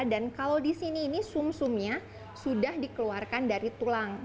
dan kalau di sini ini sum sumnya sudah dikeluarkan dari tulang